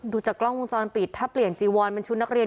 จากกล้องวงจรปิดถ้าเปลี่ยนจีวอนเป็นชุดนักเรียน